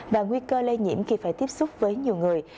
và nguy cơ lây nhiễm khi phải tiếp xúc với nhiều người